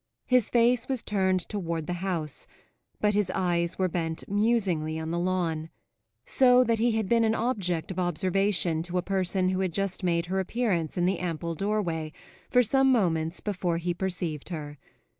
His face was turned toward the house, but his eyes were bent musingly on the lawn; so that he had been an object of observation to a person who had just made her appearance in the ample doorway for some moments before he perceived her.